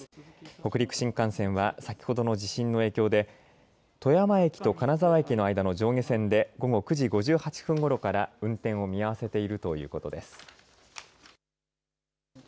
北陸新幹線は先ほどの地震の影響で富山駅と金沢駅の間の上下線で午後９時５８分ごろから運転を見合わせているということです。